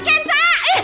akan tumbuhdas tool